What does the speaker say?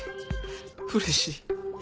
うれしい。